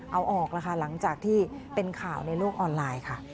เอาออกแล้วค่ะหลังจากที่เป็นข่าวในโลกออนไลน์ค่ะ